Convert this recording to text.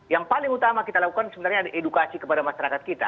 yang paling utama kita lakukan sebenarnya edukasi kepada masyarakat kita